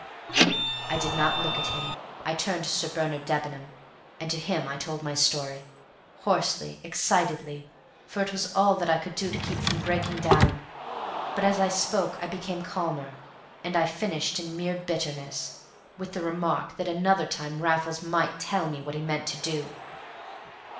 I did not look at him; I turned to Sir Bernard Debenham, and to him I told my story, hoarsely, excitedly, for it was all that I could do to keep from breaking down. But as I spoke I became calmer, and I finished in mere bitterness, with the remark that another time Raffles might tell me what he meant to do.